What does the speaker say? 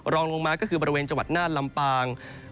รองลงมาก็คือบริเวณจังหวัดน่านลำปาง